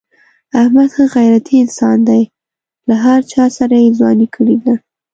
احمد ښه غیرتی انسان دی. له هر چاسره یې ځواني کړې ده.